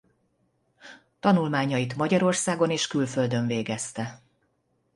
Tanulmányait Magyarországon és külföldön végezte.